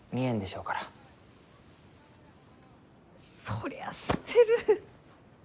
そりゃあ捨てる！